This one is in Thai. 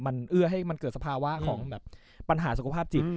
มันเอื้อให้มันเกิดสภาวะของแบบปัญหาสุขภาพจิต